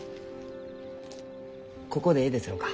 ここでえいですろうか？